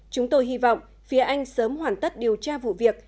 chúng tôi hy vọng phía anh sớm hoàn tất điều tra vụ việc